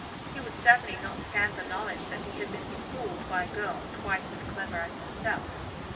He would certainly not stand the knowledge that he had been befooled by a girl twice as clever as himself.